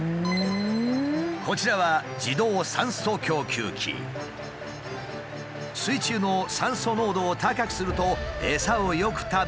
こちらは水中の酸素濃度を高くするとエサをよく食べ大きく育つという。